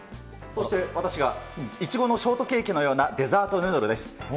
そして私が、イチゴのショートケーキのようなデザートヌードルです。